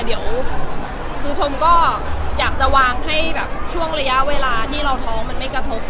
เดี๋ยวคือชมก็อยากจะวางให้แบบช่วงระยะเวลาที่เราท้องมันไม่กระทบ